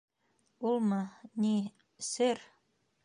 — Улмы, ни, сер.